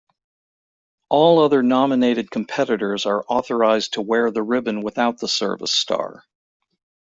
All other nominated competitors are authorized to wear the ribbon without the service star.